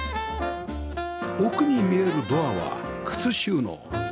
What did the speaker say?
奥に見えるドアは靴収納